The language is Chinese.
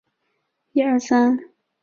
其边缘大约高八千英尺至九千英尺。